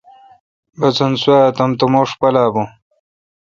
بسنت سوا تمتوروݭ پالا بون۔